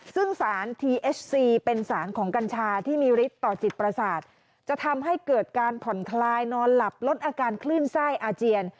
ซึ่งสารทีเอสซีเป็นสารของกัญชาที่มีฤทธิ์ต่อจิตประสาทจะทำให้เกิดการผ่อนคลายนอนหลับลดอาการคลื่นไส้อาเจียน